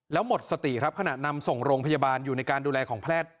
แล้วหมดสติครับขณะนำส่งโรงพยาบาลอยู่ในการดูแลของแพทย์